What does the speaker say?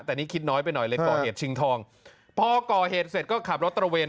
แต่นี่คิดน้อยไปหน่อยเลยก่อเหตุชิงทองพอก่อเหตุเสร็จก็ขับรถตระเวน